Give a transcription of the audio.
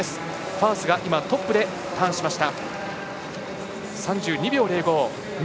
ファースがトップでターンしました。